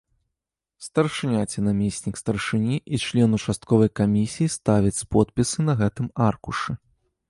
Старшыня ці намеснік старшыні і член участковай камісіі ставяць подпісы на гэтым аркушы.